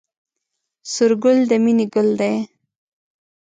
سور ګل د مینې ګل دی